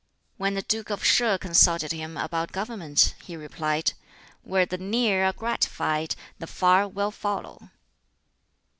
When the Duke of Sheh consulted him about government, he replied, "Where the near are gratified, the far will follow."